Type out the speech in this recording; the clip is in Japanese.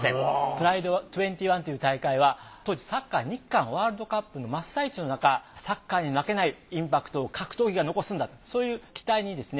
プライド２１という大会は当時サッカー日韓ワールドカップの真っ最中のなかサッカーに負けないインパクトを格闘技が残すんだそういう期待にですね